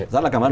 rất là cảm ơn